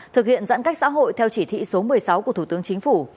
thực hiện giãn cách xã hội theo chỉ thị số một mươi sáu của thủ tướng chính phủ